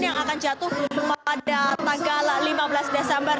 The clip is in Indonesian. yang akan jatuh pada tanggal lima belas desember dua ribu tujuh belas